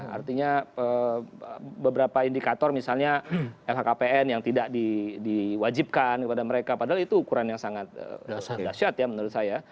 artinya beberapa indikator misalnya lhkpn yang tidak diwajibkan kepada mereka padahal itu ukuran yang sangat dasyat ya menurut saya